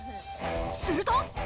すると。